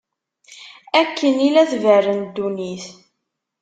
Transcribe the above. Akken i la tberren ddunit.